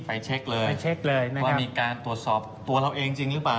ไปเช็คเลยไปเช็คเลยว่ามีการตรวจสอบตัวเราเองจริงหรือเปล่า